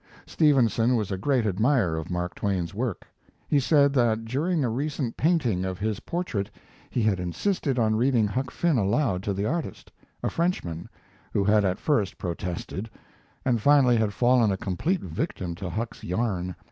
Stevenson was a great admirer of Mark Twain's work. He said that during a recent painting of his portrait he had insisted on reading Huck Finn aloud to the artist, a Frenchman, who had at first protested, and finally had fallen a complete victim to Huck's yarn.